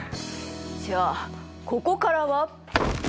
じゃあここからは。